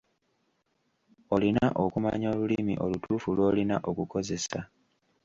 Olina okumanya olulimi olutuufu lw'olina okukozesa.